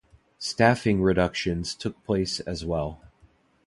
Staffing reductions took place as well.